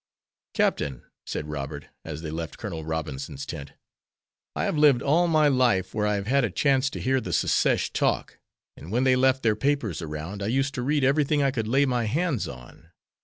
"Captain," said Robert, as they left Colonel Robinson's tent, "I have lived all my life where I have had a chance to hear the 'Secesh' talk, and when they left their papers around I used to read everything I could lay my hands on.